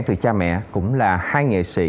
từ cha mẹ cũng là hai nghệ sĩ